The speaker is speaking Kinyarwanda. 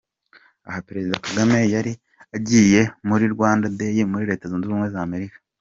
Aha Perezida Kagame yari yagiye muri Rwanda Day muri Leta Zunze Ubumwe za Amerika.